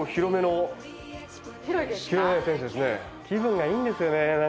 気分がいいんですよね。